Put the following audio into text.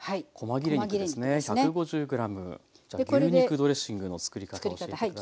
じゃあ牛肉ドレッシングのつくり方教えて下さい。